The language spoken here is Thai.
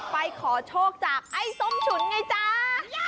ไปขอโชคจากไอ้ส้มฉุนไงจ้า